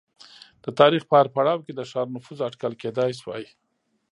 د تاریخ په هر پړاو کې د ښار نفوس اټکل کېدای شوای